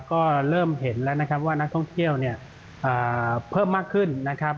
ก็เริ่มเห็นแล้วนะครับว่านักท่องเที่ยวเนี่ยเพิ่มมากขึ้นนะครับ